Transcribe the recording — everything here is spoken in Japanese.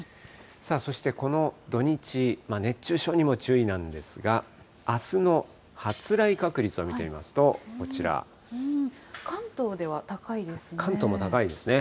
そしてこの土日、熱中症にも注意なんですが、あすの発雷確率を見てみますと、こち関東では高いですね。